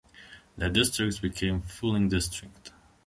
The districts became Fuling District.